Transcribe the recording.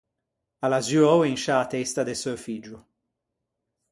A l’à zuou in sciâ testa de seu figgio.